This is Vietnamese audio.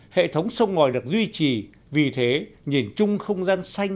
hệ thống sông ngòi được duy trì vì thế nhìn chung không gian xanh